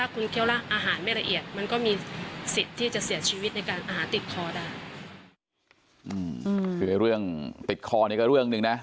คือเรื่องติดคอนี่ก็เรื่องหนึ่งนะ